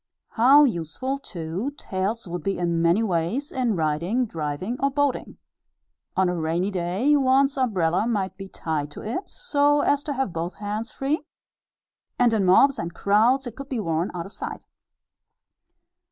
How useful, too, tails would be in many ways in riding, driving, or boating! On a rainy day, one's umbrella might be tied to it, so as to have both hands free; and in mobs and crowds it could be worn out of sight.